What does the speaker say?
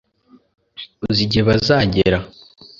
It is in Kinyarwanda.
Uzi igihe bazagera